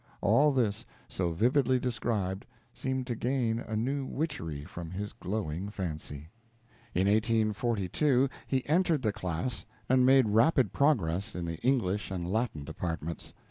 All this, so vividly described, seemed to gain a new witchery from his glowing fancy. In 1842 he entered the class, and made rapid progress in the English and Latin departments.